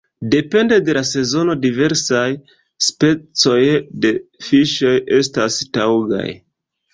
Depende de la sezono diversaj specoj de fiŝoj estas taŭgaj.